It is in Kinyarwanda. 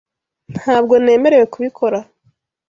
Ntabwo nemerewe kubikora